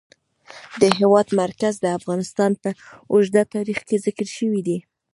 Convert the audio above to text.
د هېواد مرکز د افغانستان په اوږده تاریخ کې ذکر شوی دی.